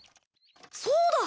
そうだ！